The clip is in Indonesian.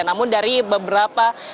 namun dari beberapa